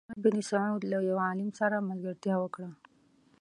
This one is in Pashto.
محمد بن سعود له یو عالم سره ملګرتیا وکړه.